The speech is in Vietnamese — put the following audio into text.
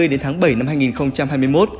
đến tháng bảy năm hai nghìn hai mươi một